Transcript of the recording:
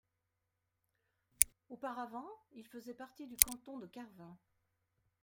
Auparavant, il faisait partie du Canton de Carvin.